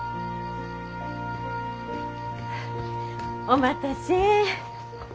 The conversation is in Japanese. お待たせ。